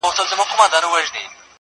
په حضور كي ورته جمع درباريان سول،